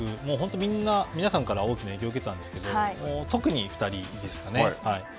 みんな皆さんから大きな影響を受けたんですけど特に２人ですかね。